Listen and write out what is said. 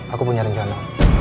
aku punya rencana